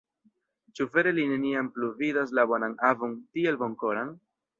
Ĉu vere li neniam plu vidos la bonan avon, tiel bonkoran?